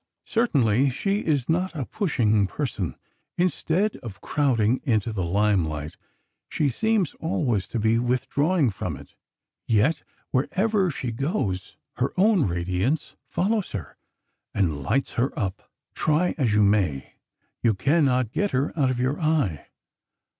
Certainly, she is not a pushing person. Instead of crowding into the limelight, she seems always to be withdrawing from it. Yet wherever she goes her own radiance follows her and lights her up. Try as you may, you cannot get her out of your eye.